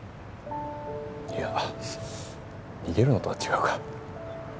いや逃げるのとは違うか。